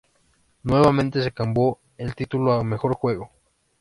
Nuevamente se cambó el título a "Mejor Juego".